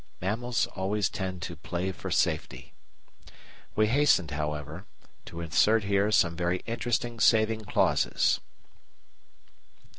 Mammals always tend to "play for safety." We hasten, however, to insert here some very interesting saving clauses.